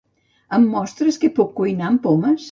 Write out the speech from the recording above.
Em mostres què puc cuinar amb pomes?